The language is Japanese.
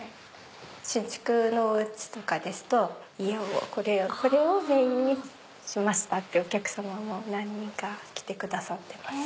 新築のおうちとかですと家をこれをメインにしましたっていうお客さまも何人か来てくださってますね。